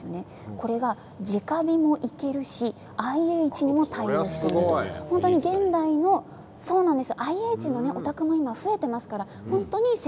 これはじか火もいけるし、ＩＨにも対応しているということなんです。